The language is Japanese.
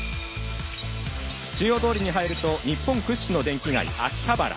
中央通りに入ると日本屈指の電気街、秋葉原。